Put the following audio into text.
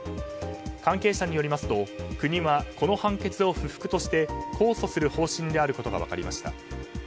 関係者によりますと国は、この判決を不服として控訴する方針であることが分かりました。